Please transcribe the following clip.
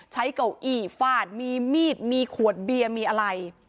เก้าอี้ฟาดมีมีดมีขวดเบียร์มีอะไร